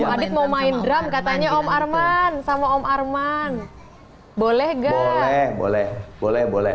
adit mau main drum katanya om arman sama om arman boleh guy boleh boleh